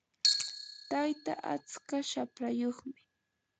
tayta atska shaprayuqmi.